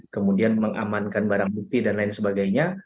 kemudian mengamankan barang bukti dan lain sebagainya